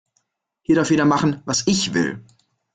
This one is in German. Hier darf jeder machen, was ich will.